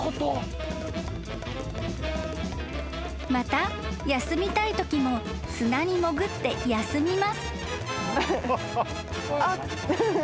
［また休みたいときも砂に潜って休みます］